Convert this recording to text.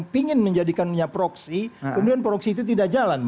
ada seseorang yang ingin menjadikan punya proxy kemudian proxy itu tidak jalan